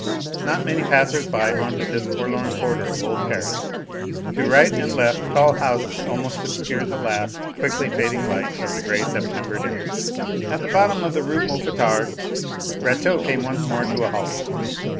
Not many passers by haunted this forlorn quarter of old Paris. To right and left tall houses almost obscured the last, quickly fading light of the grey September day. At the bottom of the Rue Mouffetard, Rateau came once more to a halt.